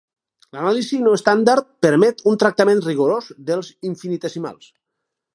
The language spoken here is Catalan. L'anàlisi no estàndard permet un tractament rigorós dels infinitesimals.